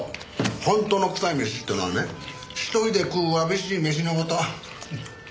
本当の臭い飯ってのはね一人で食うわびしい飯の事。